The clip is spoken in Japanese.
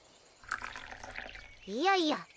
いやいや